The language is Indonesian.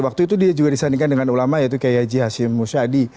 waktu itu dia juga disandingkan dengan ulama yaitu k h m musyadi